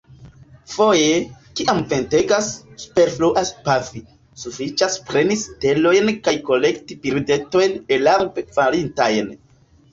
Foje, kiam ventegas, superfluas pafi: sufiĉas preni sitelojn kaj kolekti birdetojn elarbe falintajn.